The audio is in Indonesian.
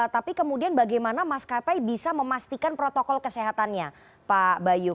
tapi kemudian bagaimana maskapai bisa memastikan protokol kesehatannya pak bayu